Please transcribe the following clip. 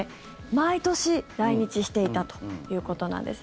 毎年、来日していたということです。